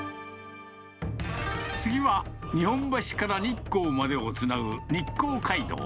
次は、日本橋から日光までをつなぐ日光街道。